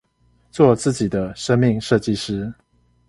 做自己的生命設計師